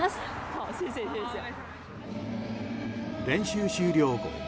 練習終了後。